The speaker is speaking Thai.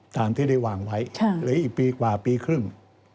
ตามที่ได้วางไว้หรืออีกปีกว่าปีครึ่ง